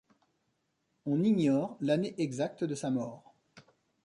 On ignore l'année exacte de sa mort.